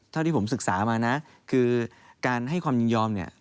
เท่าที่ผมศึกษามานะคือการให้ความยินยอมเนี่ย